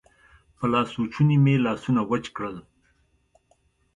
په لاسوچوني مې لاسونه وچ کړل.